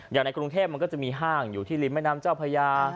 อย่างในกรุงเทพมันก็จะมีห้างอยู่ที่ริมแม่น้ำเจ้าพญา